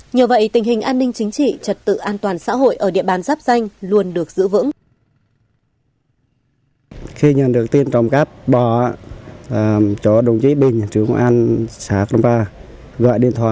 nhờ vậy tình hình an ninh chính trị trật tự an toàn xã hội ở địa bàn giáp danh luôn được giữ vững